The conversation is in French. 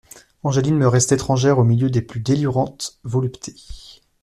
Angeline me reste étrangère au milieu des plus délirantes voluptés.